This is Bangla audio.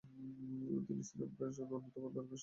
তিনি শ্রীরামকৃষ্ণের অন্যতম অন্তরঙ্গ শিষ্যে পরিণত হন।